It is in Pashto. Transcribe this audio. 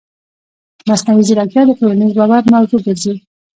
مصنوعي ځیرکتیا د ټولنیز باور موضوع ګرځي.